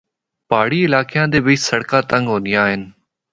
پہاڑی علاقیاں دے بچ سڑکاں تنگ ہوندیاں ہن۔